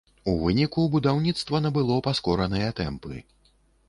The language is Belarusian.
У выніку будаўніцтва набыло паскораныя тэмпы.